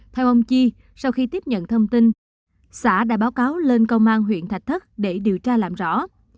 theo ông chi sau khi tiếp nhận thông tin xã đã báo cáo lên công an huyện thạch thất để điều tra làm rõ